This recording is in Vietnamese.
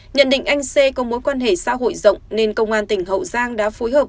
nhận định anh xê có mối quan hệ xã hội rộng nên công an tỉnh hậu giang đã phối hợp